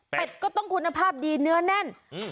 เป็นก็ต้องคุณภาพดีเนื้อแน่น